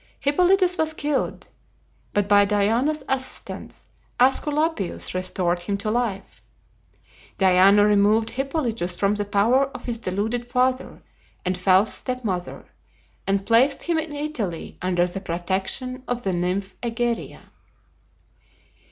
Hippolytus was killed, but by Diana's assistance Aesculapius restored him to life. Diana removed Hippolytus from the power of his deluded father and false stepmother, and placed him in Italy under the protection of the nymph Egeria.